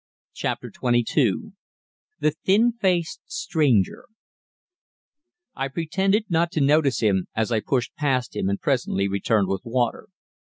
CHAPTER XXII THE THIN FACED STRANGER I pretended not to notice him as I pushed past him and presently returned with water.